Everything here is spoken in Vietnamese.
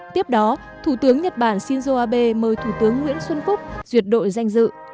tiếp đó thủ tướng nhật bản shinzo abe mời thủ tướng nguyễn xuân phúc duyệt đội danh dự